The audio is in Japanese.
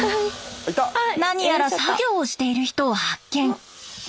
何やら作業している人を発見！